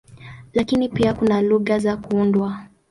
Lakini pia kuna lugha za kuundwa.